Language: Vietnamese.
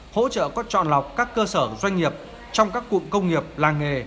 hỗ trợ có chọn lọc các cơ sở doanh nghiệp trong các cụm công nghiệp làng nghề